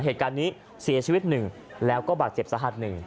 เหตุการณ์นี้เสียชีวิตหนึ่งแล้วก็บาดเจ็บสาหัส๑